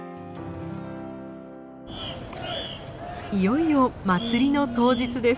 いよいよ祭りの当日です。